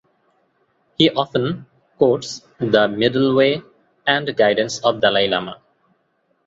He often quotes the "middle way" and guidance of Dalai Lama.